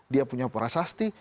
dia punya prasasti